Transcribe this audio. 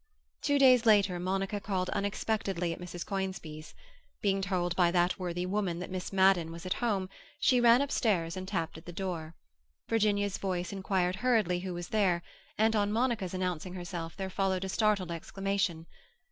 Two days later Monica called unexpectedly at Mrs. Conisbee's. Being told by that worthy woman that Miss Madden was at home, she ran upstairs and tapped at the door. Virginia's voice inquired hurriedly who was there, and on Monica's announcing herself there followed a startled exclamation.